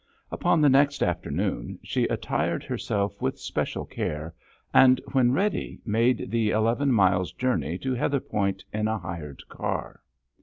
Upon the next afternoon she attired herself with special care, and, when ready, made the eleven miles journey to Heatherpoint in a hired car.